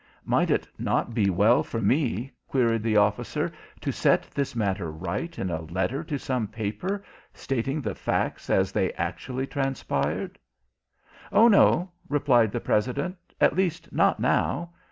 "Might it not be well for me," queried the officer, "to set this matter right in a letter to some paper, stating the facts as they actually transpired?" "Oh, no," replied the President, "at least, not now.